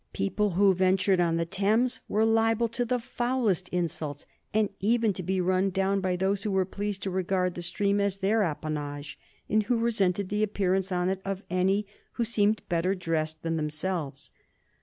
People who ventured on the Thames were liable to the foulest insults, and even to be run down by those who were pleased to regard the stream as their appanage, and who resented the appearance on it of any who seemed better dressed than themselves.